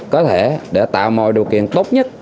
có thể để tạo mọi điều kiện tốt nhất